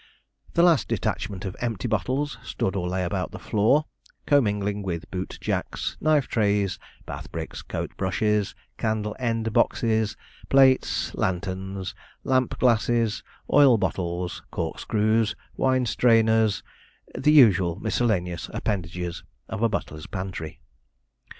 The last detachment of empty bottles stood or lay about the floor, commingling with boot jacks, knife trays, bath bricks, coat brushes, candle end boxes, plates, lanterns, lamp glasses, oil bottles, corkscrews, wine strainers the usual miscellaneous appendages of a butler's pantry.